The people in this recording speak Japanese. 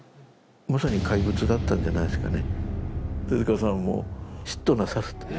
まさに怪物だったんじゃないですかね。